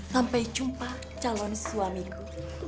sampai jumpa calon suamiku